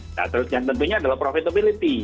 nah terus yang tentunya adalah profitability